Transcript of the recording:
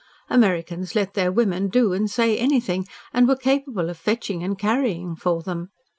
Americans let their women say and do anything, and were capable of fetching and carrying for them.